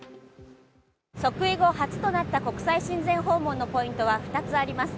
即位後初となった国際親善訪問のポイントは２つあります。